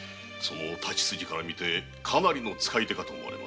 太刀筋から見てかなりの使い手かと思われます。